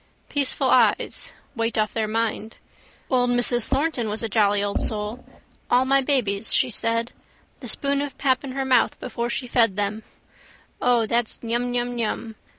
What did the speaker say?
Peaceful eyes. Weight off their mind. Old Mrs Thornton was a jolly old soul. All my babies, she said. The spoon of pap in her mouth before she fed them. O, that's nyumnyum.